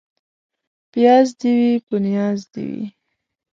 پياز دي وي ، په نياز دي وي.